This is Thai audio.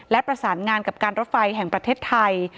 และประสานงานกับการรถไฟแห่งประเทศไทย